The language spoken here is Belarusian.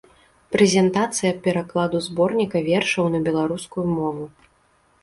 Прэзентацыя перакладу зборніка вершаў на беларускую мову.